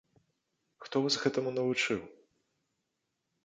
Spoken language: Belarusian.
Хто вас гэтаму навучыў?